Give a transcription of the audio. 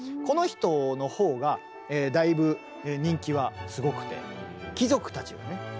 この人のほうがだいぶ人気はすごくて貴族たちはね